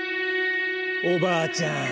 おばあちゃん。